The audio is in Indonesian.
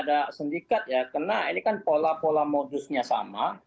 ya jelas pasti ada sindikat ya karena ini kan pola pola modusnya sama